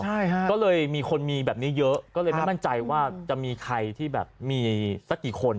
ใช่ฮะก็เลยมีคนมีแบบนี้เยอะก็เลยไม่มั่นใจว่าจะมีใครที่แบบมีสักกี่คน